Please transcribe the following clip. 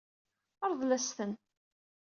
Ṛḍel-as-ten.